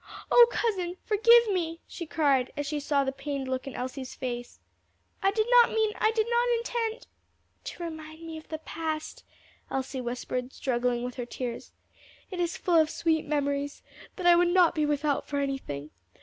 O cousin, forgive me!" she cried, as she saw the pained look in Elsie's face. "I did not mean I did not intend " "To remind me of the past," Elsie whispered, struggling with her tears. "It is full of sweet memories, that I would not be without for anything.